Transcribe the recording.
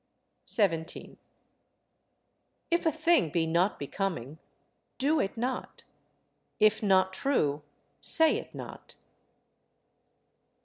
17. If a thing be not becoming, do it not; if not true, say it not.